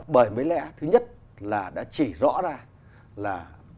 bởi mới lẽ thứ nhất là đã chỉ rõ ra là